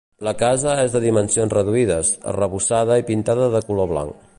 La casa és de dimensions reduïdes, arrebossada i pintada de color blanc.